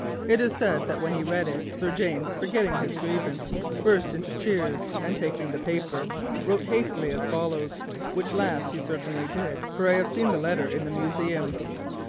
It is said that when he read it, Sir James, forgetting his grievance, was much affected, and, taking paper, wrote hastily as follows, which indeed he certainly did, for I have seen the letter in the Museum.